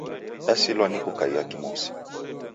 Dasilwa ni kukaia kimusi